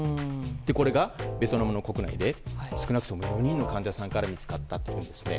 これが、ベトナムの国内で少なくとも４人の患者さんから見つかったといいます。